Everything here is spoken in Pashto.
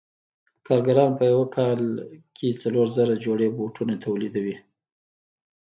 کارګران په یو کال کې څلور زره جوړې بوټان تولیدوي